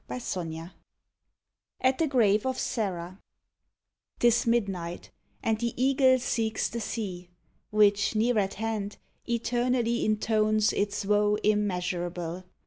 1 lo AT THE GRAVE OF SERRA 'Tis midnight, and the Eagle seeks the sea, Which, near at hand, eternally intones Its woe immeasurable.